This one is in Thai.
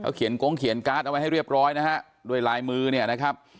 เขียนกงเขียนการ์ดเอาไว้ให้เรียบร้อยนะฮะด้วยลายมือเนี่ยนะครับ